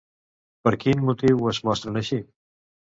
Per quin motiu es mostren així?